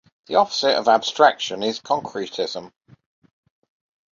The opposite of abstraction is concretism.